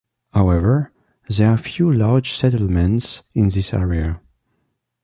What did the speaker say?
However, there are few large settlements in this area.